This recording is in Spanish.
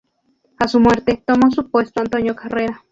A su muerte, tomó su puesto Antonio Carrera.